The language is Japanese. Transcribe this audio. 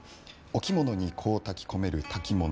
お着物に香をたき込める薫物。